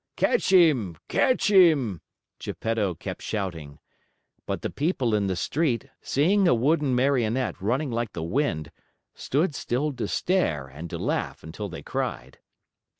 "Catch him! Catch him!" Geppetto kept shouting. But the people in the street, seeing a wooden Marionette running like the wind, stood still to stare and to laugh until they cried.